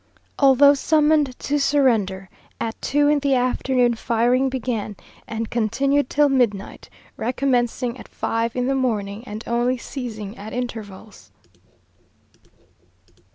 Although summoned to surrender, at two in the afternoon firing began, and continued till midnight, recommencing at five in the morning, and only ceasing at intervals.